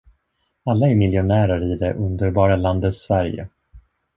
Alla är miljonärer i det underbara landet Sverige.